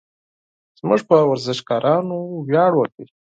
زموږ په ورزشکارانو ویاړ وکړئ.